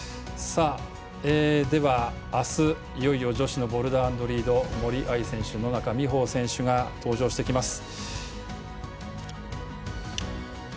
では、明日、いよいよ女子のボルダー＆リード森秋彩選手、野中生萌選手が登場してきます。